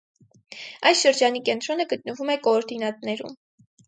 Այս շրջանի կենտրոնը գտնվում է կոորդինատներում։